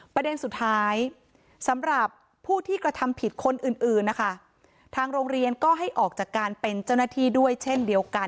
ประเด็นสุดท้ายสำหรับผู้ที่กระทำผิดคนอื่นอื่นนะคะทางโรงเรียนก็ให้ออกจากการเป็นเจ้าหน้าที่ด้วยเช่นเดียวกัน